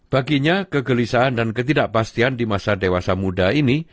baginya kegelisahan dan ketidakpastian di masa dewasa muda ini